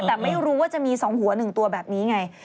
แต่ไม่รู้ว่าจะมี๒หัว๑ตัวแบบนี้ไง